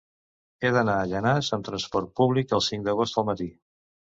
He d'anar a Llanars amb trasport públic el cinc d'agost al matí.